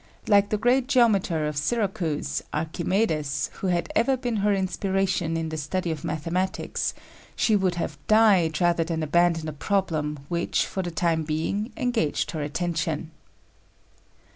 Like the great geometer of Syracuse, Archimedes, who had ever been her inspiration in the study of mathematics, she would have died rather than abandon a problem which, for the time being, engaged her attention.